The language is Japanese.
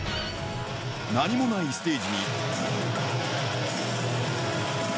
何もないステージに。